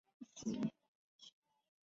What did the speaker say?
其位于上水石湖墟分店继续营业。